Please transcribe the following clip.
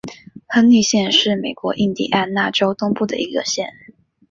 亨利县是美国印地安纳州东部的一个县。